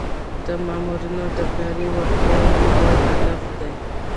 د مامورینو د کاري وړتیاوو لوړول هدف دی.